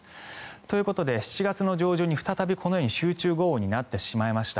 ということで７月上旬にこのように再び集中豪雨になってしまいました。